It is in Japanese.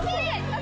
・私？